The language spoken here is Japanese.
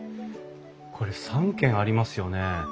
これ３間ありますよね？